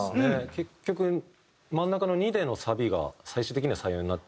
結局真ん中の２でのサビが最終的には採用になったので。